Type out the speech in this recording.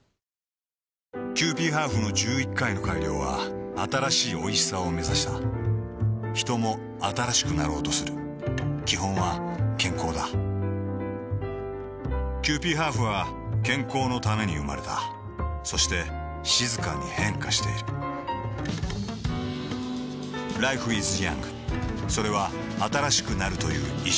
キユーピーハーフの１１回の改良は新しいおいしさをめざしたヒトも新しくなろうとする基本は健康だキユーピーハーフは健康のために生まれたそして静かに変化しているＬｉｆｅｉｓｙｏｕｎｇ．それは新しくなるという意識